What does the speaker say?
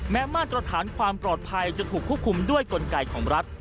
มาตรฐานความปลอดภัยจะถูกควบคุมด้วยกลไกของรัฐ